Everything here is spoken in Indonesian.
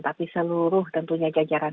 tapi seluruh tentunya jajaran